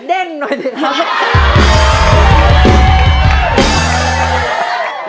เด้งหน่อยด้วยครับ